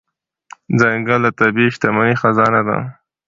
ځنګل د طبیعي شتمنۍ خزانه ده.